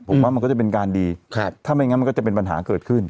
ผมว่ามันก็จะเป็นการดีถ้าไม่งั้นมันก็จะเป็นปัญหาเกิดขึ้น